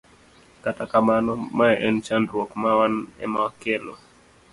Kata kamano, mae en chandruok ma wan ema wakelo.